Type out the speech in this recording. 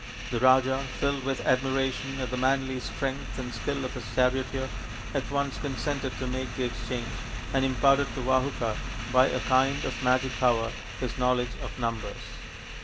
The Raja, filled with admiration at the manly strength and skill of his charioteer, at once consented to make the exchange and imparted to Vahuka by a kind of magic power his knowledge of numbers.